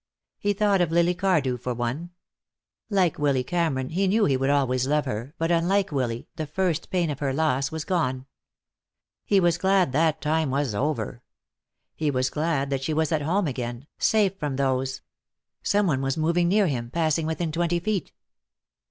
He thought of Lily Cardew, for one. Like Willy Cameron, he knew he would always love her, but unlike Willy, the first pain of her loss was gone. He was glad that time was over. He was glad that she was at home again, safe from those Some one was moving near him, passing within twenty feet.